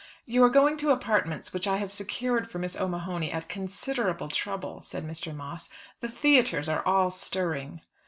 "You are going to apartments which I have secured for Miss O'Mahony at considerable trouble," said Mr. Moss. "The theatres are all stirring."